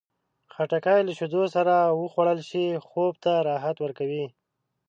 خټکی له شیدو سره وخوړل شي، خوب ته راحت ورکوي.